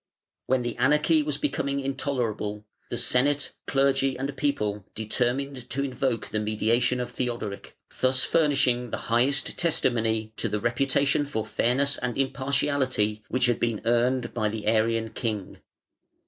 When the anarchy was becoming intolerable, the Senate, Clergy, and People determined to invoke the mediation of Theodoric, thus furnishing the highest testimony to the reputation for fairness and impartiality which had been earned by the Arian king.